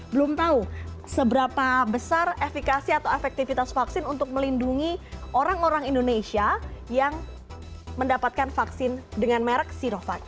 belum tahu seberapa besar efek atau efektivitas vaksin untuk melindungi orang orang indonesia yang mendapatkan vaksin dengan merek sinovac